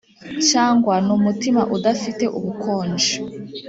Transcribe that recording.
cyangwa ni umutima udafite ubukonje?